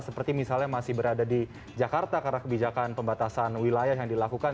seperti misalnya masih berada di jakarta karena kebijakan pembatasan wilayah yang dilakukan